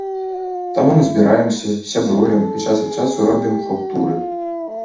Таму мы збіраемся, сябруем, і час ад часу робім хаўтуры.